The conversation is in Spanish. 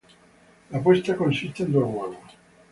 La puesta consiste en dos huevos.